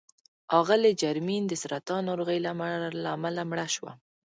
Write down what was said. اغلې جرمین د سرطان ناروغۍ له امله مړه شوه.